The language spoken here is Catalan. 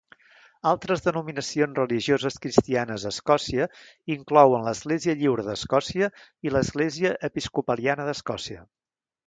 Altres denominacions religioses cristianes a Escòcia inclouen l'Església lliure d'Escòcia i l'Església episcopaliana d'Escòcia.